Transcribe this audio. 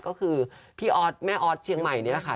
ก็คือพี่อ๊อดแม่อ๋อดเชียงใหม่เลยค่ะ